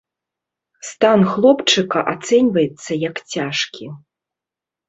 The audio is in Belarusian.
Стан хлопчыка ацэньваецца як цяжкі.